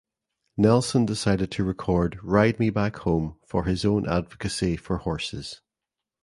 Nelson decided to record "Ride Me Back Home" for his own advocacy for horses.